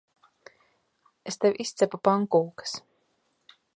Es tev izcepu pankūkas.